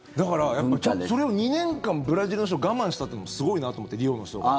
それを２年間ブラジルの人我慢したっていうのはすごいなって思ってリオの人が。